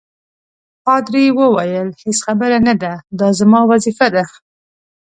پادري وویل: هیڅ خبره نه ده، دا زما وظیفه ده.